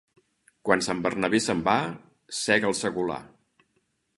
Quan Sant Bernabé se'n va, sega el segolar.